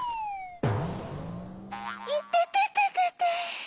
いててててて。